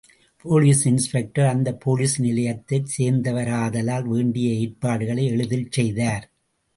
Police inspector அந்தப் police நிலையத்தைச் சேர்ந்தவராதலால் வேண்டிய ஏற்பாடுகளை எளிதில் செய்தார்.